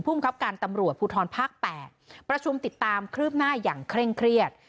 ประชุมติดตามครึมหน้าอย่างเคร่งเครียด